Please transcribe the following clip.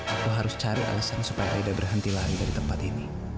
aku harus cari alasan supaya tidak berhenti lari dari tempat ini